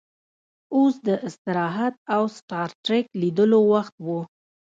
اوس د استراحت او سټار ټریک لیدلو وخت و